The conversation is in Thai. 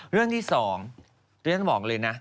เรื่องที่๒ที่ฉันบอกเลยนะ